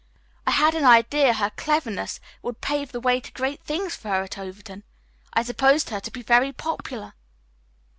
I had an idea her cleverness would pave the way to great things for her at Overton. I supposed her to be very popular."